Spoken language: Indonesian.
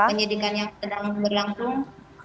penyidikan yang sedang berlangsung